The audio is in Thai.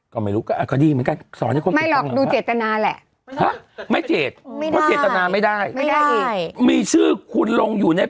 ก็ไม่รู้ก็ดีเหมือนกัน